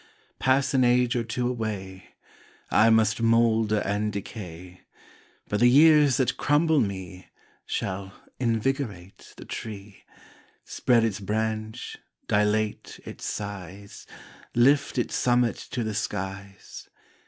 Pass an age or two away, I must moulder and decay, But the years that crumble me Shall invigorate the tree, Spread its branch, dilate its size, Lift its summit to the skies.